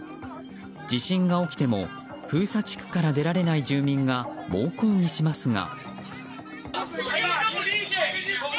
地震が起きても封鎖地区から出られない住民が猛抗議しますが。